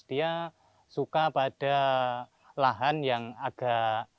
dia suka pada lahan yang agak